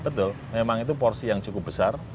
betul memang itu porsi yang cukup besar